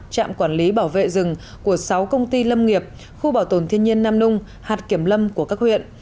trạm quản lý bảo vệ rừng của sáu công ty lâm nghiệp khu bảo tồn thiên nhiên nam nung hạt kiểm lâm của các huyện